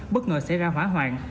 bất ngờ xảy ra hỏa hoạn